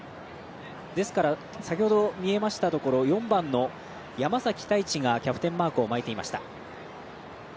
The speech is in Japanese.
ですから、先ほど見えました４番の山崎大地がキャプテンマークを巻いていました。